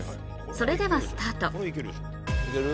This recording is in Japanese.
それではスタートいける？